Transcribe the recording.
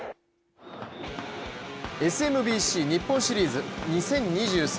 ＳＭＢＣ日本シリーズ２０２３